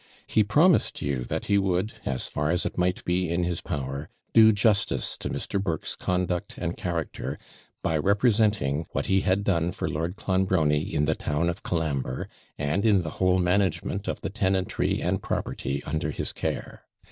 He promised you that he would, as far as it might be in his power, do justice to Mr. Burke's conduct and character, by representing what he had done for Lord Clonbrony in the town of Colambre, and in the whole management of the tenantry and property under his care.